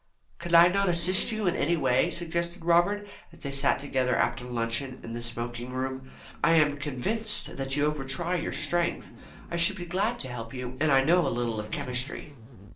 "Could I not assist you in any way?" suggested Robert, as they sat together after luncheon in the smoking room. "I am convinced that you over try your strength. I should be so glad to help you, and I know a little of chemistry."